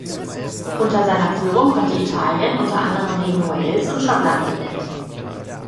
Unter seiner Führung konnte Italien unter anderem gegen Wales und Schottland gewinnen.